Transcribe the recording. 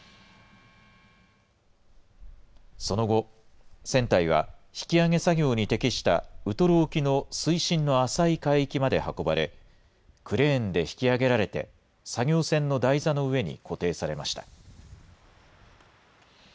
その後、船体は引き揚げ作業に適した、ウトロ沖の水深の浅い海域まで運ばれ、クレーンで引き揚げられて、作業船の台座の上に固定されました。